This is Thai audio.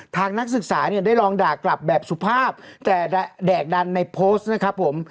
นักศึกษาเนี่ยได้ลองด่ากลับแบบสุภาพแต่แดกดันในโพสต์นะครับผม